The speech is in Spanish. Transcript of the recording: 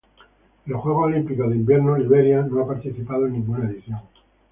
En los Juegos Olímpicos de Invierno Liberia no ha participado en ninguna edición.